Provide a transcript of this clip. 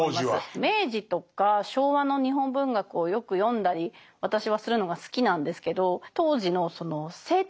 明治とか昭和の日本文学をよく読んだり私はするのが好きなんですけど当時のその性的な描写？